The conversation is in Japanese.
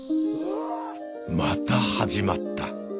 また始まった。